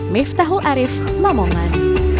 miftahul arif lamongan